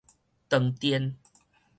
斷電